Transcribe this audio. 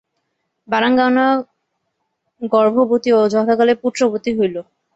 বারাঙ্গনা গর্ভবতী ও যথাকালে পুত্রবতী হইল।